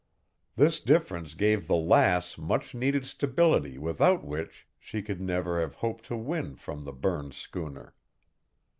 This difference gave the Lass much needed stability without which she could never have hoped to win from the Burns schooner.